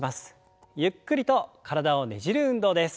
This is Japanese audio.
ゆっくりと体をねじる運動です。